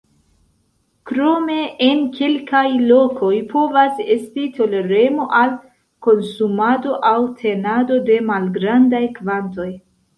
Krome en kelkaj lokoj povas esti toleremo al konsumado aŭ tenado de malgrandaj kvantoj.